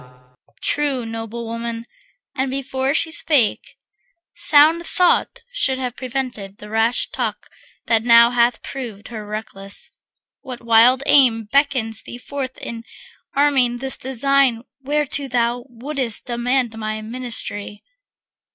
True, noble women, and before she spake Sound thought should have prevented the rash talk That now hath proved her reckless. What wild aim Beckons thee forth in arming this design Whereto thou wouldst demand my ministry?